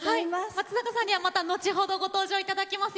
松坂さんにはまた後ほどご登場いただきます。